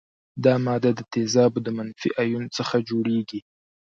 دا ماده د تیزابو د منفي ایون څخه جوړیږي.